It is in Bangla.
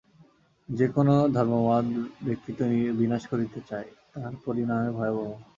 যে-কোন ধর্মমত ব্যক্তিত্ব বিনাশ করিতে চায়, তাহাই পরিণামে ভয়াবহ।